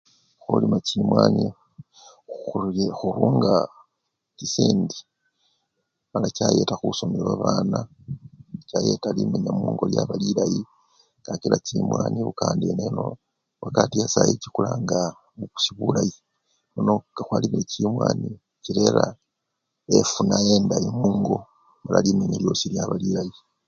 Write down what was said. Hulima chimwani, huli hurunga chisendi mala chayeta khusomya babana, chayeta limenya mungo lyaba lilayi kakila chimwani ibukanda eneno sayi chikulanga bulayi, nono nga hwalimile chimwani, chilera efuna endayi mungo mala limenya liosi liaba lilayi